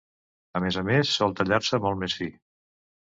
A més a més, sol tallar-se molt més fi.